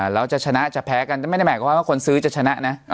แล้วจะชนะจะแพ้กันไม่ได้หมายความว่าคนซื้อจะชนะนะ